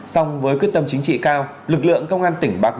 xong với quyết tâm chính trị cao lực lượng công an tỉnh bạc